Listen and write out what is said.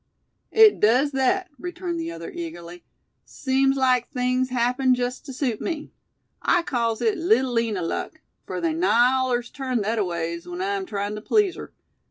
"It does thet," returned the other, eagerly. "Seems like things happened jest tew suit me. I calls it 'Little Lina luck,' fur they nigh allers turn thetaways when I'm tryin' tew please her.